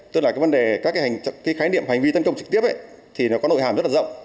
tức là các khái niệm hành vi tấn công trực tiếp thì nó có nội hàm rất là rộng